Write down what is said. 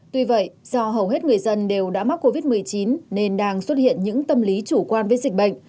tuy vậy do hầu hết người dân đều đã mắc covid một mươi chín nên đang xuất hiện những tâm lý chủ quan với dịch bệnh